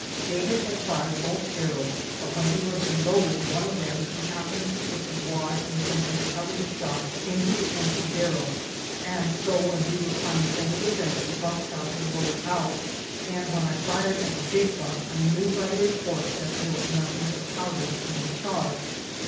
David had fired both barrels but when he was reloading one of them he happened to put the wad intended to cover the shot into the empty barrel, and so when we were climbing over the fence the buckshot had rolled out, and when I fired at the big buck I knew by the report that there was nothing but powder in the charge.